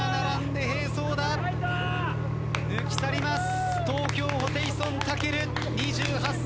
抜き去ります。